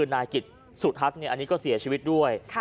นายกิจสุทัศน์อันนี้ก็เสียชีวิตด้วย